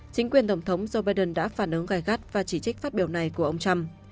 chính quyền tổng thống joe biden đã phản ứng gài gắt và chỉ trích phát biểu này của ông trump